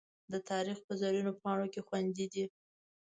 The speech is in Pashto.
د تاریخ په زرینو پاڼو کې خوندي دي.